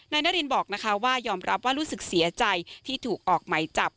นารินบอกนะคะว่ายอมรับว่ารู้สึกเสียใจที่ถูกออกไหมจับ